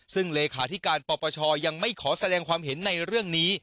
ซึ่งเลขาธิการปปชยังไม่ขอแสดงความเห็นในเรื่องนี้